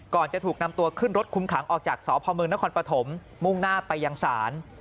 จะถูกนำตัวขึ้นรถคุมขังออกจากสพมนครปฐมมุ่งหน้าไปยังศาล